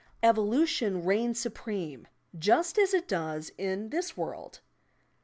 Evolution reigns supreme, — just as it does in this world.